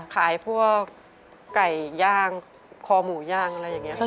ขายพวกไก่ย่างคอหมูย่างอะไรอย่างนี้ค่ะ